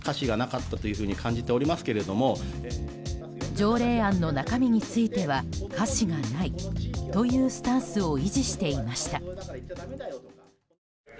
条例案の中身については瑕疵がないというスタンスを維持していました。